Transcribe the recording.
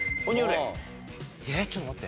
えっちょっと待って。